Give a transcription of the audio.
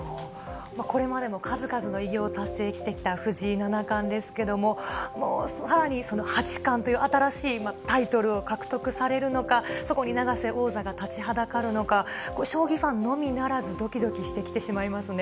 これまでも数々の偉業を達成してきた藤井七冠ですけども、もうさらにその八冠という新しいタイトルを獲得されるのか、そこに永瀬王座が立ちはだかるのか、将棋ファンのみならずどきどきしてきてしまいますね。